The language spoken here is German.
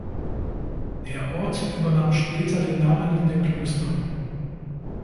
Der Ort übernahm später den Namen der Klöster.